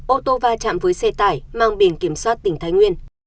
ô tô va chạm với xe tải mang biển kiểm soát tỉnh thái nguyên